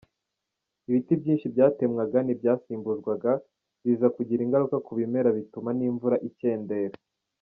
Ibiti byinshi byatemwaga ntibyasimbuzwaga, biza kugira ingaruka ku bimera bituma n’imvura ikendera.